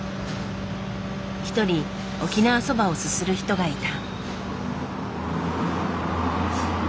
一人沖縄そばをすする人がいた。